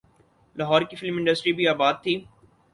لاہور کی film industry بھی آباد تھی۔